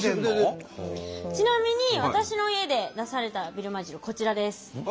ちなみに私の家で出されたビルマ汁こちらです。